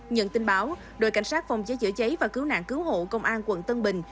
nhận tin báo đội cảnh sát phòng cháy chữa cháy và cứu nạn cứu hộ công an quận tân bình